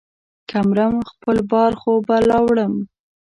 که مرم ، خپل بار خو به لا وړم.